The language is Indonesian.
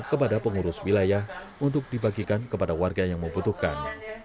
kepada pengurus wilayah untuk dibagikan kepada warga yang membutuhkan